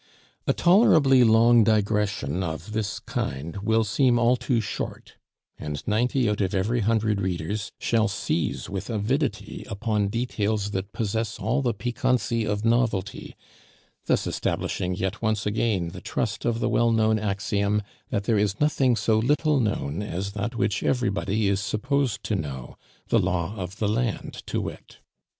A tolerably long digression of this kind will seem all too short; and ninety out of every hundred readers shall seize with avidity upon details that possess all the piquancy of novelty, thus establishing yet once again the trust of the well known axiom, that there is nothing so little known as that which everybody is supposed to know the Law of the Land, to wit.